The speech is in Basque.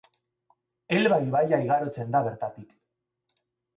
Elba ibaia igarotzen da bertatik.